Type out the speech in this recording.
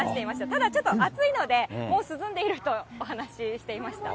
ただ、ちょっと暑いので、もう涼んでいるとお話ししていました。